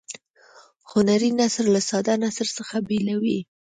هنري نثر له ساده نثر څخه بیلوي.